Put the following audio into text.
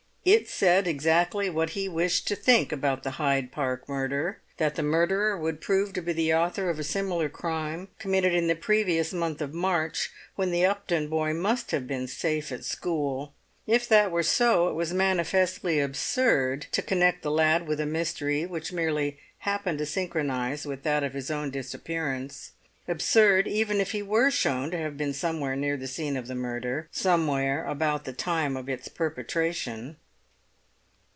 It said exactly what he wished to think about the Hyde Park murder: that the murderer would prove to be the author of a similar crime, committed in the previous month of March, when the Upton boy must have been safe at school. If that were so, it was manifestly absurd to connect the lad with a mystery which merely happened to synchronise with that of his own disappearance—absurd, even if he were shown to have been somewhere near the scene of the murder, somewhere about the time of its perpetration.